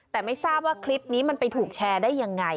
แต่ไม่ทราบว่าคลิปนี้มันไปถูกแชร์ได้ยังไง